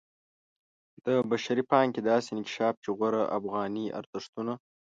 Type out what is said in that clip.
د بشري پانګې داسې انکشاف چې غوره افغاني ارزښتونو